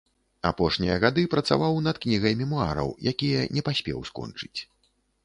Апошнія гады працаваў над кнігай мемуараў, якія не паспеў скончыць.